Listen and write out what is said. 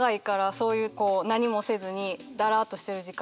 そういうこう何もせずにだらっとしてる時間。